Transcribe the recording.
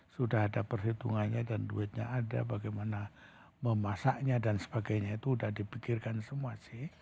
sudah ada perhitungannya dan duitnya ada bagaimana memasaknya dan sebagainya itu sudah dipikirkan semua sih